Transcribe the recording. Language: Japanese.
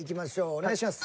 お願いします。